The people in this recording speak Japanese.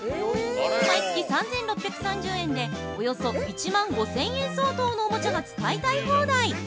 毎月３６３０円でおよそ１万５０００円相当のおもちゃが使いたい放題。